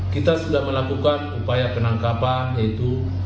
kita sudah melakukan upaya penangkapan yaitu